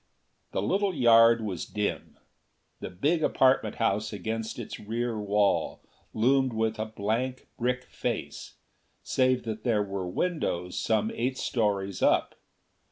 The little yard was dim. The big apartment house against its rear wall loomed with a blank brick face, save that there were windows some eight stories up.